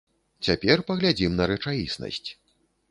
Цяпер паглядзім на рэчаіснасць.